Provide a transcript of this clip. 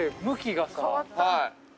向きが変わった。